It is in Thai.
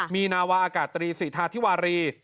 มีนาวาอากาศตรีศรีธาธิวารี